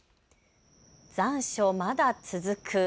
残暑、まだ続く。